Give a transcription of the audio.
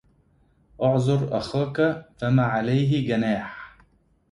اعذر أخاك فما عليه جناح